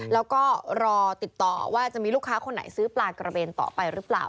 แล้วก็รอติดต่อว่าจะมีลูกค้าคนไหนซื้อปลากระเบนต่อไปหรือเปล่า